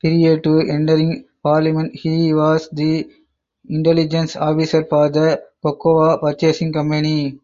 Prior to entering parliament he was the Intelligence Officer for the Cocoa Purchasing Company.